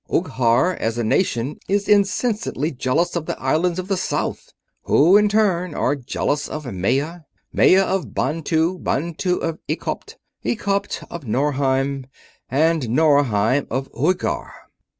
Uighar as a nation is insensately jealous of the Islands of the South, who in turn are jealous of Maya. Maya of Bantu, Bantu of Ekopt, Ekopt of Norheim, and Norheim of Uighar.